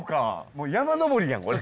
もう山登りやんこれ。